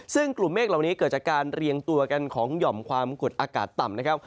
ซึ่งกลุ่มเมฆเหล่านี้เกิดจากการเรียงตัวกันของหย่อมความกดอากาศต่ำนะครับ